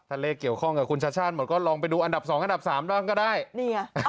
ถ้าเลขเกี่ยวข้องกับคุณชช่านหมดก็ลองไปดูอันดับ๒อันดับ๓ก็ได้